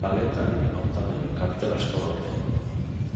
Kaleetan, hautagaien kartel asko daude.